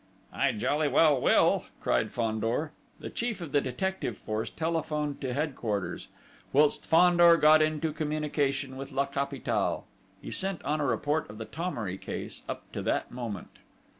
"I jolly well will!" cried Fandor. The chief of the detective force telephoned to Headquarters, whilst Fandor got into communication with La Capitale. He sent on a report of the Thomery case up to that moment.